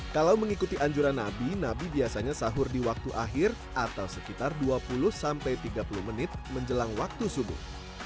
kalau mengikuti anjuran nabi nabi biasanya sahur di waktu akhir atau sekitar dua puluh sampai tiga puluh menit menjelang waktu subuh